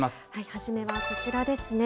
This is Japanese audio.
初めはこちらですね。